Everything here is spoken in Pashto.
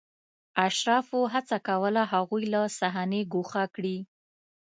اشرافو هڅه کوله هغوی له صحنې ګوښه کړي.